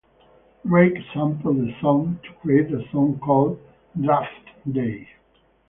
Drake sampled the song to create a song called "Draft Day".